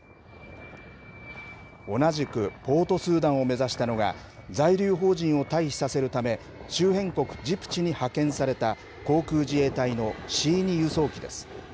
同じく、ポートスーダンを目指したのが、在留邦人を退避させるため、周辺国ジブチに派遣された航空自衛隊のＣ２輸送機です。